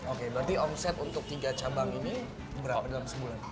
oke berarti omset untuk tiga cabang ini berapa dalam sebulan